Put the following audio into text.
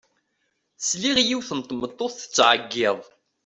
Sliɣ i yiwet n tmeṭṭut tettɛeyyiḍ.